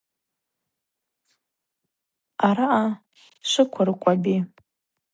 Араъа швыквыркӏвапӏи.